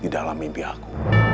di dalam mimpi aku